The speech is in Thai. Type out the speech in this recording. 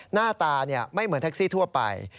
หน้าตาไม่เหมือนแท็กซี่ทั่วไป